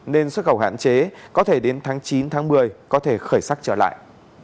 nên xuất khẩu hạn chế có thể đến tháng chín tháng một mươi có thể khởi sắc trở lại